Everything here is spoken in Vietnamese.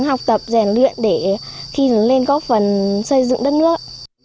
học tập rèn luyện để khi lớn lên có phần xây dựng đất nước